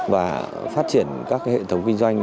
và phát triển các hệ thống kinh doanh